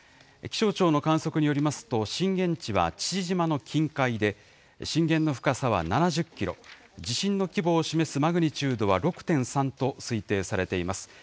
気象庁の観測によりますと、震源地は父島の近海で、震源の深さは７０キロ、地震の規模を示すマグニチュードは６．３と推定されています。